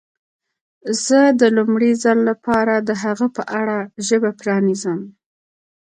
زه د لومړي ځل لپاره د هغه په اړه ژبه پرانیزم.